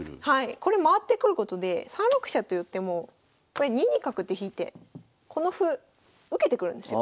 これ回ってくることで３六飛車という手もこれ２二角って引いてこの歩受けてくるんですよ。